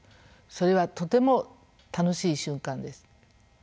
それはとても楽しい瞬間です。